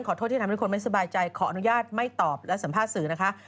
โทษที่ทำให้คนไม่สบายใจขออนุญาตไม่ตอบและสัมภาษณ์สื่อนะคะ